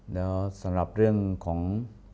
แล้วสำหรับเรื่องของ